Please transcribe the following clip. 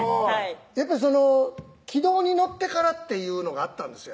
やっぱり軌道に乗ってからっていうのがあったんですよ